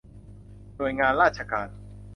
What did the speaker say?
หน่วยงานราชการ